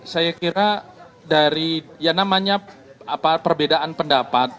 saya kira dari yang namanya perbedaan pendapat